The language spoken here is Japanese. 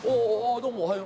どうもおはよう。